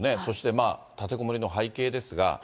そして、立てこもりの背景ですが。